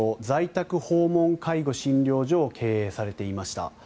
在宅訪問介護診療所を経営されていました。